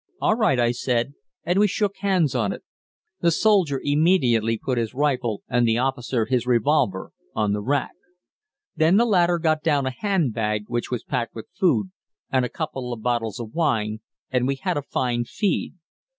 "All right," I said, and we shook hands on it. The soldier immediately put his rifle, and the officer his revolver, on the rack. Then the latter got down a hand bag, which was packed with food and a couple of bottles of wine, and we had a fine feed.